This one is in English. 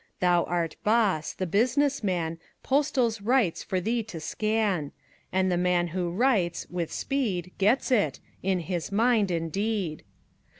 Thou art "boss"; the business man Postals writes for thee to scan; And the man who writes, "With speed," Gets it in his mind indeed.